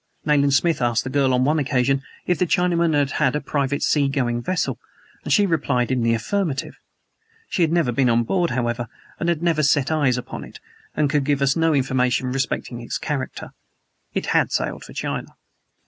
Nayland Smith asked the girl on one occasion if the Chinaman had had a private sea going vessel, and she replied in the affirmative. She had never been on board, however, had never even set eyes upon it, and could give us no information respecting its character. It had sailed for China.